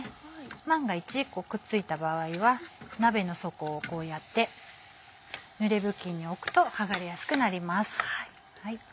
万が一くっついた場合は鍋の底をこうやってぬれ布巾に置くとはがれやすくなります。